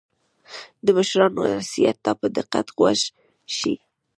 د مشرانو نصیحت ته په دقت غوږ شئ.